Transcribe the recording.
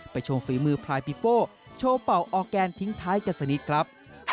ชมฝีมือพลายปีโป้โชว์เป่าออร์แกนทิ้งท้ายกันสักนิดครับ